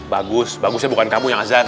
bagus bagusnya bukan kamu yang azan